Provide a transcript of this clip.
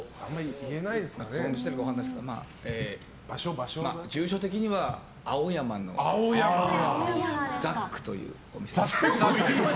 存じているか分からないですけど、住所的には青山のザックというお店。